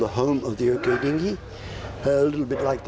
เหมือนที่เลซอร์นี่ที่ส่งชีวิตแล้ว